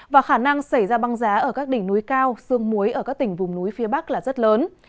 và khả năng xảy ra băng giá ở các đỉnh núi cao xương muối ở các tỉnh vùng núi phía bắc là rất lớn